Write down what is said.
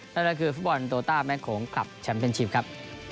นั่นก็คือฟุตบอลโตต้าแม่โขงคลับแชมป์เป็นชิลครับ